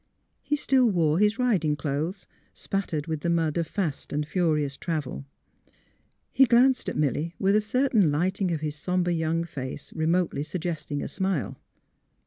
He still wore his riding clothes, spattered with the mud of fast and furious travel. He glanced at Milly with a certain lighting of his somber young face remotely suggesting a smile.